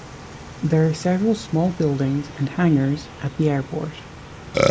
There are several small buildings and hangars at the airport.